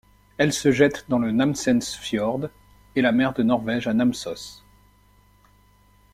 Elle se jette dans le Namsensfjord et la mer de Norvège à Namsos.